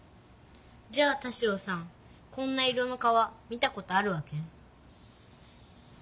じゃあ田代さんこんな色の川見たことあるわけ？